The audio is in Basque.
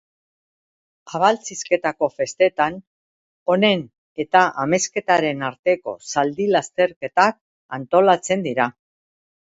Abaltzisketako festetan, honen eta Amezketaren arteko zaldi-lasterketak antolatzen dira.